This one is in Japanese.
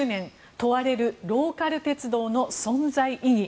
問われるローカル鉄道の存在意義。